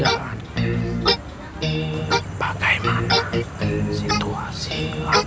allahu akbar allahu akbar